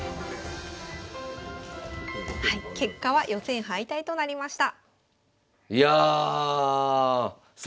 はい結果は予選敗退となりました。